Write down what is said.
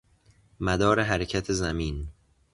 مدار حرکت زمین